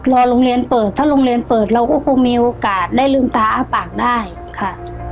รอโรงเรียนเปิดถ้าโรงเรียนเปิดเราก็คงมีโอกาสได้ลืมตาอ้าปากได้ค่ะ